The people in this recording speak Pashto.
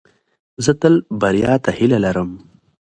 زه تل بریا ته هیله لرم.